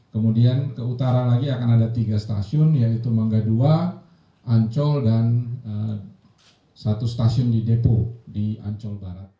kemudian ke utara lagi akan ada tiga stasiun yaitu mangga dua ancol dan satu stasiun di depo di ancol barat